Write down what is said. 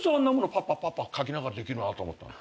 パッパッパッパッ書きながらできるなと思ったの。